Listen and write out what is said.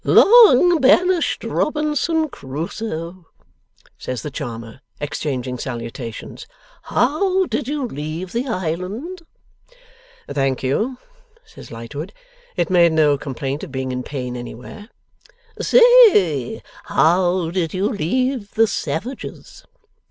'Long banished Robinson Crusoe,' says the charmer, exchanging salutations, 'how did you leave the Island?' 'Thank you,' says Lightwood. 'It made no complaint of being in pain anywhere.' 'Say, how did you leave the savages?